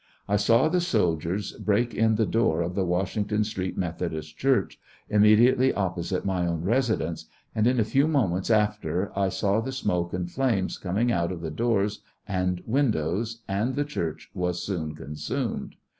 1 saw the soldiers break in the door ofthe Washington Street MethodistChurch, imraediately opposite my own residence, and in a few moments after 1 saw the smoke and flames coming out of the doors and windows, and the Church was soon consumed.